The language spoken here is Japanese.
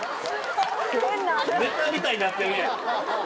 ネタみたいになってるやん。